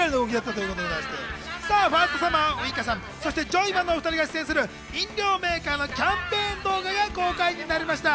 ファーストサマーウイカさんそしてジョイマンの２人が出演する飲料メーカーのキャンペーン動画が公開になりました。